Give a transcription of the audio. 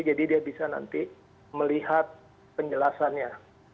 jadi dia bisa nanti melihat penjelasannya